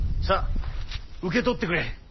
さあ受け取ってくれ。